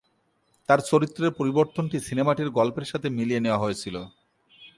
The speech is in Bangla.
তার চরিত্রের পরিবর্তনটি সিনেমাটির গল্পের সাথে মিলিয়ে নেয়া হয়েছিল।